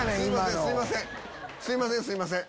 すいませんすいません。